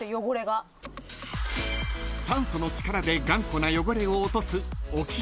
［酸素の力で頑固な汚れを落とす］